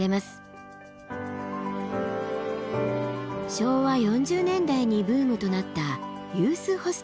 昭和４０年代にブームとなったユースホステル。